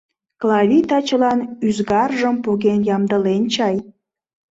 Клавий тачылан ӱзгаржым поген ямдылен чай...